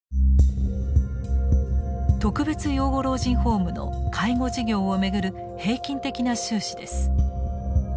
特別養護老人ホームの介護事業を巡る平均的な収支です。